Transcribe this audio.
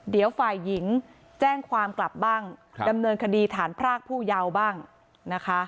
เดี๋ยวฝ่ายหญิงแจ้งความกลับบ้างดำเนินคดีฐานพรากผู้เยาว์บ้างนะคะ